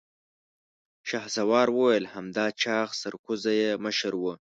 شهسوار وويل: همدا چاغ سرکوزی يې مشر و.